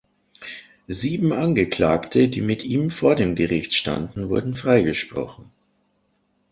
Sieben Angeklagte, die mit ihm vor dem Gericht standen, wurden freigesprochen.